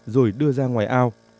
rồi đưa ra ngoài ao